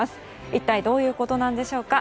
一体どういうことなんでしょうか。